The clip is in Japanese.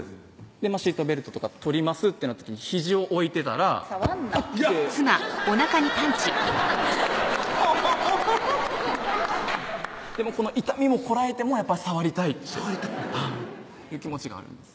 シートベルトとか取りますってなった時にひじを置いてたら「触んな」でもこの痛みもこらえてもやっぱり触りたいっていう気持ちがあるんです